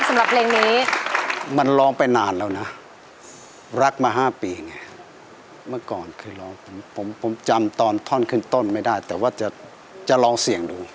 สำหรับเพลงนี้มันร้องไปนานแล้วนะรักมา๕ปีไงเมื่อก่อนเคยร้องผมผมจำตอนท่อนขึ้นต้นไม่ได้แต่ว่าจะลองเสี่ยงดู